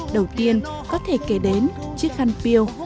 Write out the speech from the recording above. đầu tiên có thể kể đến chiếc khăn piêu